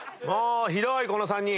ひどいこの３人！